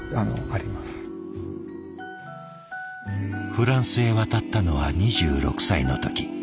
フランスへ渡ったのは２６歳の時。